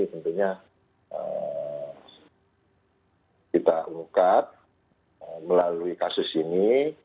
tentunya kita ungkap melalui kasus ini